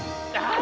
あ！